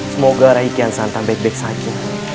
semoga rai kian santan baik baik saja